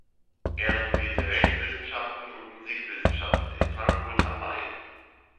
Er studierte Rechtswissenschaften und Musikwissenschaften in Frankfurt am Main.